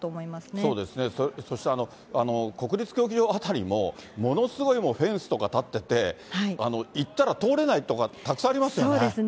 そうですね、そして国立競技場辺りも、ものすごいもうフェンスとか立ってて、行ったら、通れないとか、たくさんありますよね。